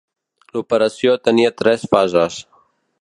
L'operació tenia tres fases.